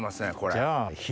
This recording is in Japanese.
じゃあ。